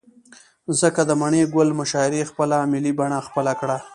ځكه د مڼې گل مشاعرې خپله ملي بڼه خپله كړه.